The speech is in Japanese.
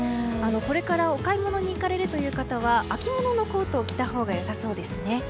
これからお買い物に行かれるという方は秋物のコートを着たほうが良さそうですね。